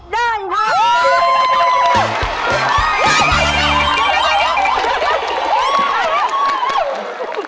ได้ครับ